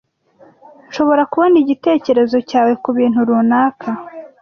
Nshobora kubona igitekerezo cyawe kubintu runaka?